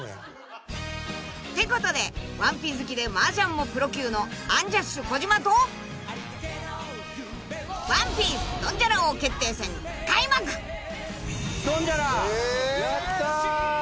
［ってことで『ワンピ』好きでマージャンもプロ級のアンジャッシュ児嶋とワンピースドンジャラ王決定戦開幕］やった。